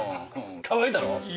かわいいだろ？